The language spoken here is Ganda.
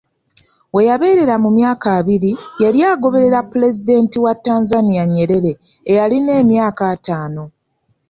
We yabeerera mu myaka abiri, yali agoberera Pulezidenti wa Tanzania Nyerere eyalina emyaka ataano.